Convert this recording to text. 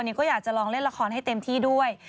ก็อยากจะลองเล่นละครให้เต็มที่ด้วย